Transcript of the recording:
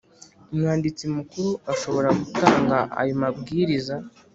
Umwanditsi Mukuru ashobora gutanga ayo mabwiriza